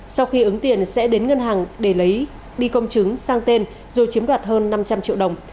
sau khi ứng tiền sẽ đến ngân hàng để lấy đi công chứng sang tên rồi chiếm đoạt hơn năm trăm linh triệu đồng